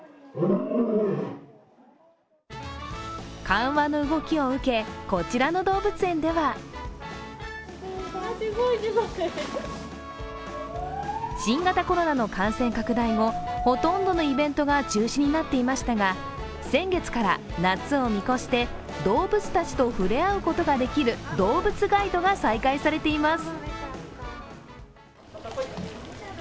緩和の動きを受け、こちらの動物園では新型コロナの感染拡大後ほとんどのイベントが中止になっていましたが先月から夏を見越して、動物たちと触れ合うことができる動物ガイドが再開されています。